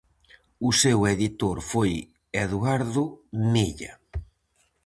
O seu editor foi Eduardo Mella.